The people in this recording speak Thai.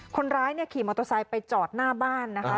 คนร้ายเนี่ยขี่มอเตอร์ไซค์ไปจอดหน้าบ้านนะคะ